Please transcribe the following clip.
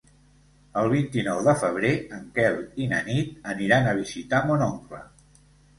El vint-i-nou de febrer en Quel i na Nit aniran a visitar mon oncle.